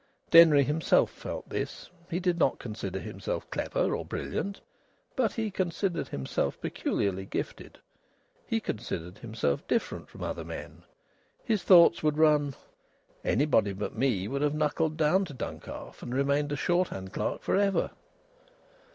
Denry himself felt this. He did not consider himself clever or brilliant. But he considered himself peculiarly gifted. He considered himself different from other men. His thoughts would run: "Anybody but me would have knuckled down to Duncalf and remained a shorthand clerk for ever."